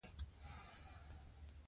بد رد ویل د حل لاره نه ده.